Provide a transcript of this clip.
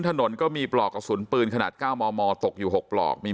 ถนนก็มีปลอกกระสุนปืนขนาด๙มมตกอยู่๖ปลอกมี